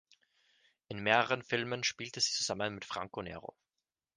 In mehreren Filmen spielte sie zusammen mit Franco Nero.